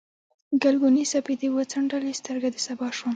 ګلګونې سپېدې وڅنډلې، سترګه د سبا شوم